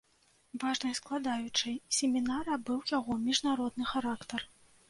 Важнай складаючай семінара быў яго міжнародны характар.